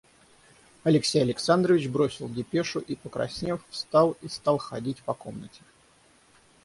Алексей Александрович бросил депешу и, покраснев, встал и стал ходить по комнате.